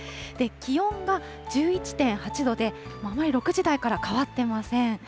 気温が１１．８度で、あまり６時台から変わっていません。